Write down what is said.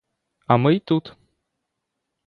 А ми й тут!